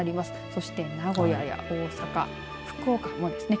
そして名古屋や大阪福岡もですね。